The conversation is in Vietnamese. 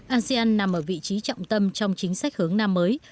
asean nằm ở vị trí trọng tâm trong chính sách hướng nam mới